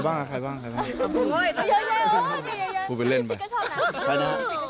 จริงปะหลายผมเป็นเล่นไป